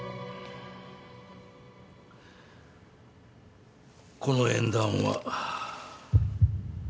この縁談は。